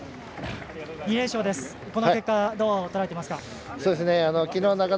２連勝です、この結果どうとらえていますか？